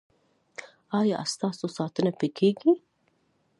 ایا ستاسو ساتنه به کیږي؟